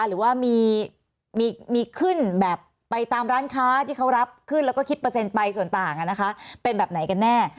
หรือว่ามีขึ้นแบบไปตามร้านค้าที่เขารับขึ้นแล้วก็คิดเปอร์เซ็นต์ไปส่วนต่างเป็นแบบไหนกันแน่